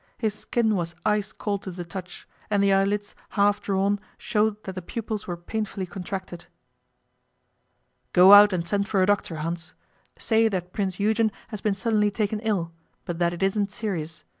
His skin was ice cold to the touch, and the eyelids, half drawn, showed that the pupils were painfully contracted. 'Go out, and send for a doctor, Hans. Say that Prince Eugen has been suddenly taken ill, but that it isn't serious.